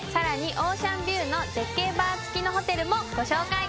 オーシャンビューの絶景バー付きのホテルもご紹介